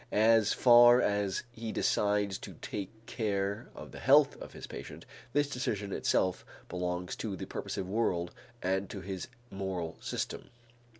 As far as he decides to take care of the health of his patient, this decision itself belongs to the purposive world and to his moral system.